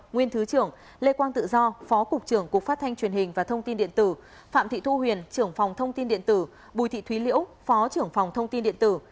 nguyên thứ trưởng lê quang tự do phó cục trưởng cục phát thanh truyền hình và thông tin điện tử phạm thị thu huyền trưởng phòng thông tin điện tử bùi thị thúy liễu phó trưởng phòng thông tin điện tử